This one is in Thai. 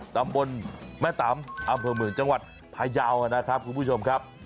ตำบลแม่ตำอำเภอเมืองจังหวัดพยาวนะครับคุณผู้ชมครับ